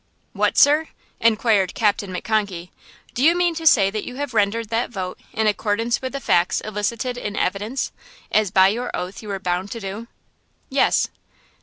"What, sir?" inquired Captain McConkey, "do you mean to say that you have rendered that vote in accordance with the facts elicited in evidence, as by your oath you were bound to do?" "Yes."